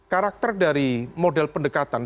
karakter dari model pendekatan